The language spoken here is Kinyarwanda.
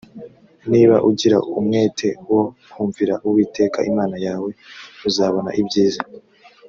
niba ugira umwete wo kumvira uwiteka imana yawe uzabona ibyiza